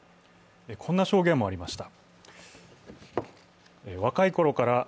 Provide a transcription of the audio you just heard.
こんな証言もありました。